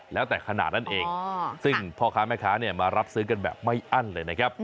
แล้วแต่ขนาดนั้นเองซึ่งพ่อค้าแม่ค้ามารับซื้อกันแบบไม่อั้นเลยนะครับ